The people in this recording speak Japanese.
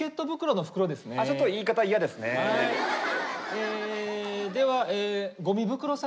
えではゴミ袋様。